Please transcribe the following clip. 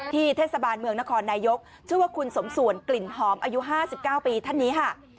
เทศบาลเมืองนครนายกชื่อว่าคุณสมส่วนกลิ่นหอมอายุ๕๙ปีท่านนี้ค่ะ